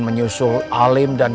dan kekuasaan kepada kita